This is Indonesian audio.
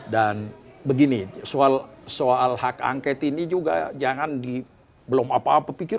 dan begini soal hak angkat ini juga jangan di belum apa apa pikir